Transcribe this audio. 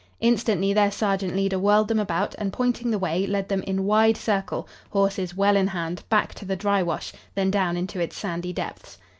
Instantly their sergeant leader whirled them about and, pointing the way, led them in wide circle, horses well in hand, back to the dry wash, then down into its sandy depths.